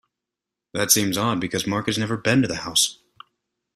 That seems odd because Mark has never been to the house.